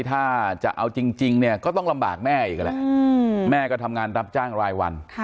ถ้าจะเอาจริงเนี่ยก็ต้องลำบากแม่อีกแหละแม่ก็ทำงานรับจ้างรายวัน